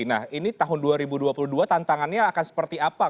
nah ini tahun dua ribu dua puluh dua tantangannya akan seperti apa